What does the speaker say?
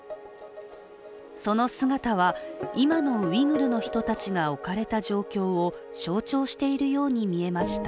その姿は、今のウイグルの人たちが置かれた状況を象徴しているように見えました。